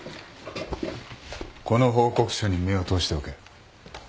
この報告書に目を通しておけ。